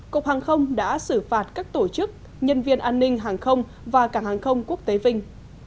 cục hàng không đã xử phạt các tổ chức nhân viên an ninh hàng không và cảng hàng không quốc tế vinh